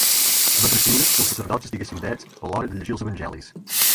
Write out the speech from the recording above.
Va prescriure que els sacerdots estiguessin drets a l'hora de llegir els evangelis.